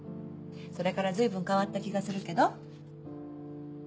それから随分変わった気がするけど？